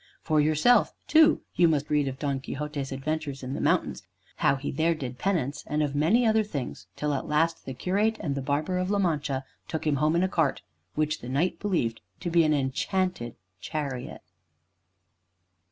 For yourself, too, you must read of Don Quixote's adventures in the mountains; how he there did penance; and of many other things, till at last the Curate and the Barber of La Mancha took him home in a cart which the Knight believed to be an enchanted chariot.